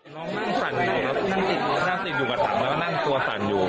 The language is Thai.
น้องน่างสั่นอยู่ทันเนอะน่างติดอยู่น่างตัวสั่นอยู่